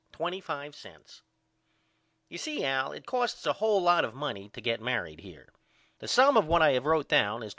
25 You see Al it costs a hole lot of money to get married here. The sum of what I have wrote down is $29.